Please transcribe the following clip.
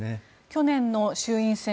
去年の衆院選